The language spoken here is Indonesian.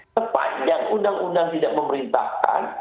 sepanjang undang undang tidak memerintahkan